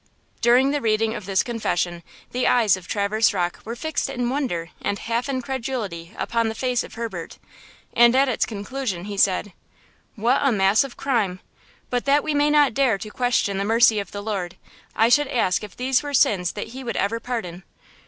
During the reading of this confession, the eyes of Traverse Rocke were fixed in wonder and half incredulity upon the face of Herbert, and at its conclusion he said: "What a mass of crime! But that we may not dare to question the mercy of the Lord, I should ask if these were sins that he would ever pardon!